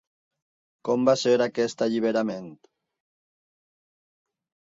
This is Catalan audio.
Com va ser aquest alliberament?